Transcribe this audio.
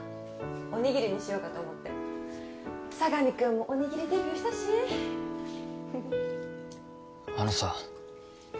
おにぎりにしようかと思って佐神くんもおにぎりデビューしたしフフッあのさ